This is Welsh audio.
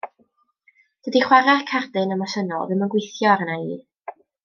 Dydy chware'r cardyn emosiynol ddim yn gweithio arna' i.